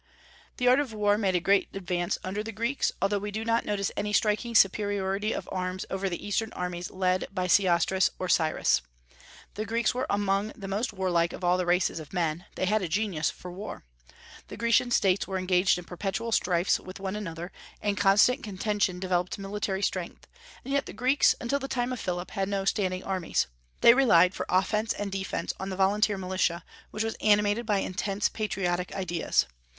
The art of war made a great advance under the Greeks, although we do not notice any striking superiority of arms over the Eastern armies led by Sesostris or Cyrus. The Greeks were among the most warlike of all the races of men; they had a genius for war. The Grecian States were engaged in perpetual strifes with one another, and constant contention developed military strength; and yet the Greeks, until the time of Philip, had no standing armies. They relied for offence and defence on the volunteer militia, which was animated by intense patriotic ideas.